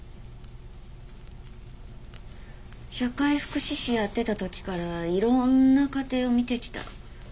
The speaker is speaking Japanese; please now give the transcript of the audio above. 社会福祉士やってた時からいろんな家庭を見てきた。